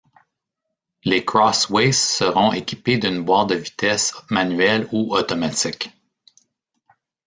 Les Crossway seront équipés d'une boite de vitesses manuelle ou automatique.